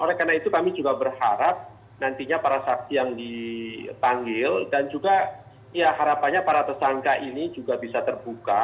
oleh karena itu kami juga berharap nantinya para saksi yang dipanggil dan juga ya harapannya para tersangka ini juga bisa terbuka